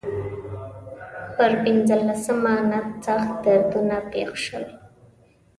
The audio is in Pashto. پر پنځلسمه نس سخت دردونه پېښ شول.